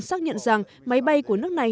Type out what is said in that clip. xác nhận rằng máy bay của nước này